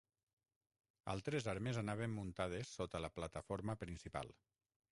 Altres armes anaven muntades sota la plataforma principal.